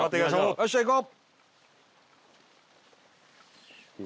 よっしゃ行こう！